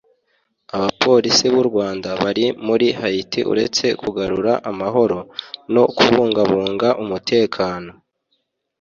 Abapolisi b’u Rwanda bari muri Haiti uretse kugarura amahoro no kubungabunga umutekano